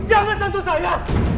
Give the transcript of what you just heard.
jangan sentuh saya